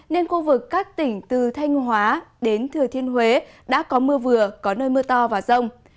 nên khu vực các tỉnh từ thanh hóa đến thừa thiên huế đã có mưa vừa có nơi mưa to và rông